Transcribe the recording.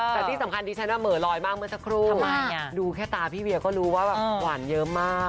แต่ที่สำคัญดิฉันเหม่อลอยมากเมื่อสักครู่ดูแค่ตาพี่เวียก็รู้ว่าแบบหวานเยอะมาก